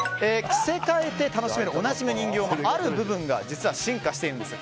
着せ替えて楽しめるおなじみの人形のある部分が実は進化しているんです。